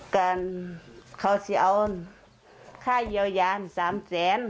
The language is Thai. การเขาจะเอาค่าเยียวยาน๓๐๐๐๐๐๐บาท